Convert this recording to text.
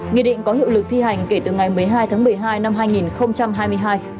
nghị định có hiệu lực thi hành kể từ ngày một mươi hai tháng một mươi hai năm hai nghìn hai mươi hai